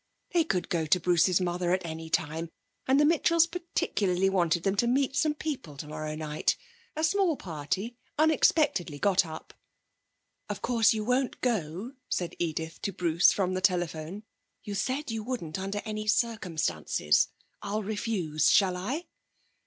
They could go to Bruce's mother at any time, and the Mitchells particularly wanted them to meet some people tomorrow night a small party, unexpectedly got up. 'Of course you won't go,' said Edith to Bruce from the telephone. 'You said you wouldn't under any circumstances. I'll refuse, shall I?'